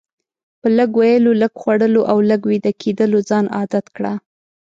په لږ ویلو، لږ خوړلو او لږ ویده کیدلو ځان عادت کړه.